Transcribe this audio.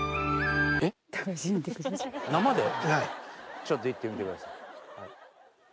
ちょっといってみてください。